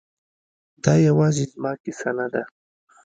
دا یوازې زما کیسه نه ده